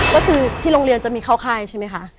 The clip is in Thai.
ก็คือที่โรงเรียนจะมีเข้าค่ายใช่ไหมคะ